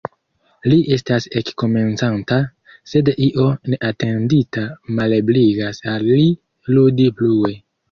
Li estas ekkomencanta, sed io neatendita malebligas al li ludi plue.